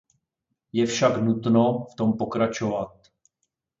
Je však nutno v tom pokračovat.